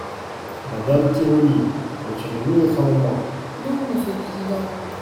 Madame Khirouni, retirez-vous votre amendement ? Non, monsieur le président.